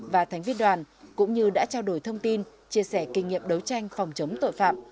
và thành viên đoàn cũng như đã trao đổi thông tin chia sẻ kinh nghiệm đấu tranh phòng chống tội phạm